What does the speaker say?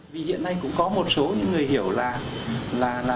vì hiện nay cũng có một số người hiểu là bệnh trí bị ác tính hóa